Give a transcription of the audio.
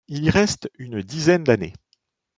Il y reste une dizaine d'années.